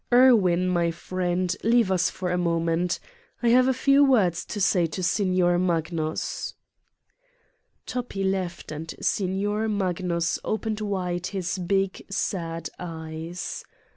Irwin, my friend, leave us for a moment. I have a few words to say to Signor Magnus " Toppi left and Signor Magnus opened wide his big sad eyes.